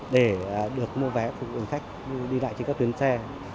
để được mua vé phục vụ ảnh khách đi lại trên các tuyến xe